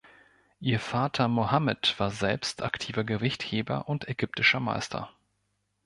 Ihr Vater Mohamed war selbst aktiver Gewichtheber und ägyptischer Meister.